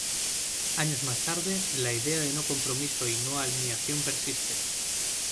Años más tarde, la idea de no compromiso y no alineación persiste.